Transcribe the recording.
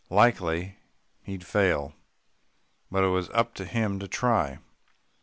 Likely he'd fail, but it was up to him to try.